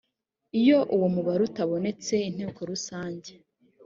iyo uwo mubare utabonetse inteko rusange